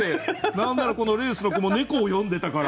何ならこの「レース」の句も猫を詠んでたから。